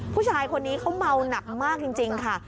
ผู้ชายคนนี้เขาเมาหนักมากจริงค่ะ